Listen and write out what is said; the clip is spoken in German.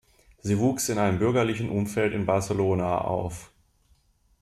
Sie wuchs in einem bürgerlichen Umfeld in Barcelona auf.